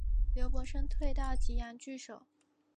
刘伯升退到棘阳据守。